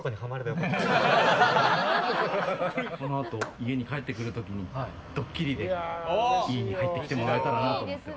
このあと家に帰ってくる時にドッキリで家に入ってきてもらえたらなと思って。